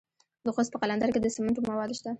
د خوست په قلندر کې د سمنټو مواد شته.